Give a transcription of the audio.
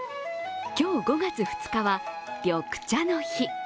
今日、５月２日は緑茶の日。